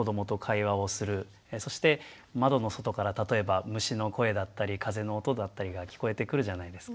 そして窓の外から例えば虫の声だったり風の音だったりが聞こえてくるじゃないですか。